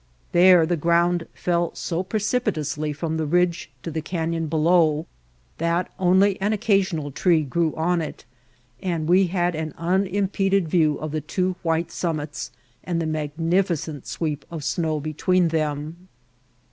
There the ground fell so precipitously from the ridge to the canyon below that only an occasional tree grew on it, and we had an unim peded view of the two white summits and the magnificent sweep of snow between them.